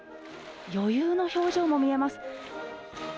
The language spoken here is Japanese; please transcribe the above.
余裕の表情も見えます。